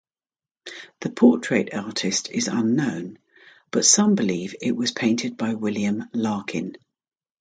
The portrait artist is unknown, but some believe it was painted by William Larkin.